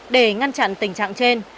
để ngăn chặn tình trạng trên